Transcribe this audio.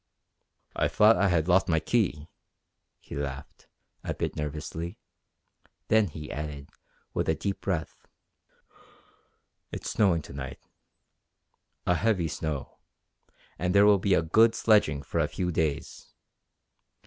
"I thought I had lost my key," he laughed, a bit nervously; then he added, with a deep breath: "It's snowing to night. A heavy snow, and there will be good sledging for a few days.